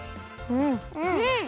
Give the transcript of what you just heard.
うん！